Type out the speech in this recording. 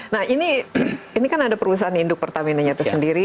nah ini ini kan ada perusahaan induk pertamina nyata sendiri